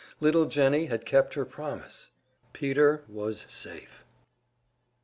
Little Jennie had kept her promise! Peter was, safe!